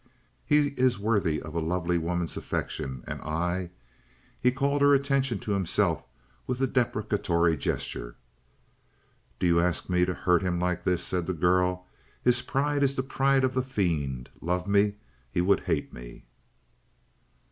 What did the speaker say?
"He is worthy of a lovely woman's affection; and I " He called her attention to himself with a deprecatory gesture. "Do you ask me to hurt him like this?" said the girl. "His pride is the pride of the fiend. Love me? He would hate me!"